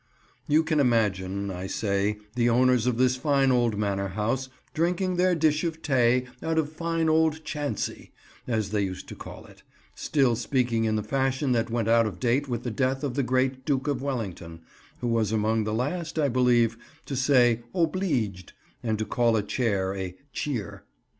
You can imagine, I say, the owners of this fine old manor house drinking their dish of tay out of fine old "chancy," as they used to call it; still speaking in the fashion that went out of date with the death of the great Duke of Wellington, who was among the last, I believe, to say "obleeged" and to call a chair a "cheer."